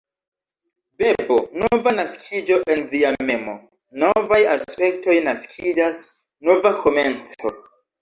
Bebo: Nova naskiĝo en via memo; novaj aspektoj naskiĝas; nova komenco.